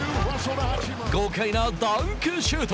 豪快なダンクシュート！